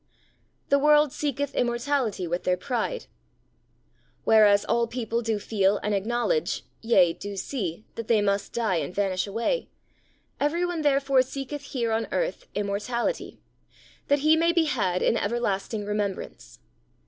The World seeketh Immortality with their Pride. Whereas all people do feel and acknowledge, yea, do see, that they must die and vanish away, every one therefore seeketh here on earth immortality, that he may be had in everlasting remembrance.